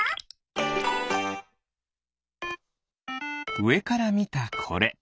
うえからみたこれ。